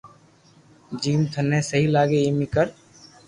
جويم ٿني سھي لاگي ايم اي ڪر